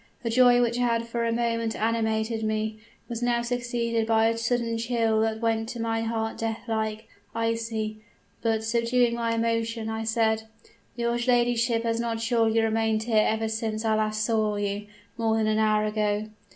The joy which had for a moment animated me, was now succeeded by a sudden chill that went to my heart death like icy. But, subduing my emotion, I said: "'Your ladyship has not surely remained here ever since I last saw you, more than an hour ago?'